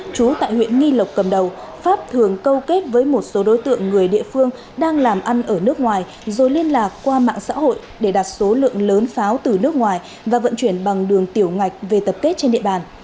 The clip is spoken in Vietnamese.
chú tại huyện nghi lộc cầm đầu pháp thường câu kết với một số đối tượng người địa phương đang làm ăn ở nước ngoài rồi liên lạc qua mạng xã hội để đặt số lượng lớn pháo từ nước ngoài và vận chuyển bằng đường tiểu ngạch về tập kết trên địa bàn